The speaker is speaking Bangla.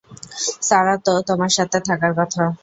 সারা তো তোমার সাথে থাকার কথা!